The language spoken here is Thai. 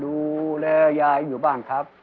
ดูแลยายอยู่บ้านครับ